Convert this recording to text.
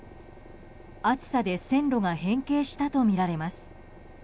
暑さで線路が変形したとみられます。